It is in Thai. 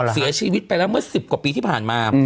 เสียชีวิตไปแล้วเมื่อ๑๐กว่าปีที่ผ่านมา